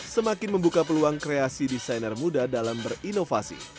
semakin membuka peluang kreasi desainer muda dalam berinovasi